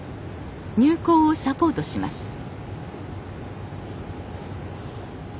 入港をサポートをします